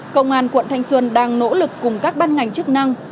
công an quận thanh xuân đang nỗ lực cùng các ban ngành chức năng